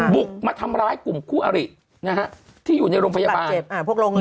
บุกมาทำร้ายกลุ่มคู่อรินะฮะที่อยู่ในโรงพยาบาล